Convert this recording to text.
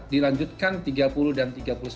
dilanjutkan tiga puluh dan tiga puluh satu